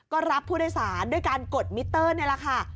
ก็รับผู้โดยสารด้วยการกดมิเตอร์นี่แหละค่ะ